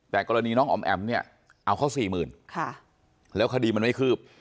แต่กรณีน้องอ๋อมแอ๋มเนี่ยเอาเขาสี่หมื่นแล้วคดีมันไม่คืบ